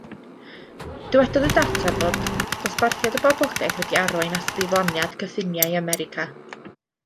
Dywedodd y data bod dosbarthiad y boblogaeth wedi arwain at ddiflaniad cyffiniau America.